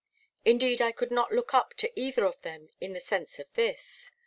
Indeed I could not look up to either of them in the sense of this.